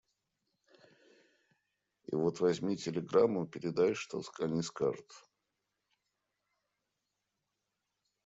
И вот возьми телеграмму, передай, что они скажут.